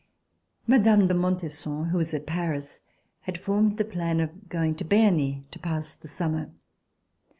Mme. de Montesson, who was at Paris, had formed the plan of going to Berny to pass the summer.